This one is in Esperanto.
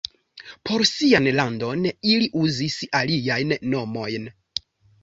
Por sian landon ili uzis aliajn nomojn.